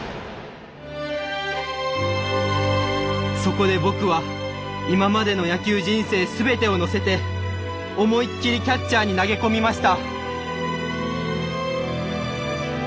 そこで僕は今までの野球人生全てをのせて思いっきりキャッチャーに投げ込みました。